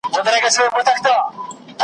نور مي د سبا سبا پلمو زړه سولولی دی .